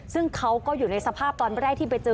ซึ่งเขาก็อยู่ในสภาพตอนแรกที่ไปเจอ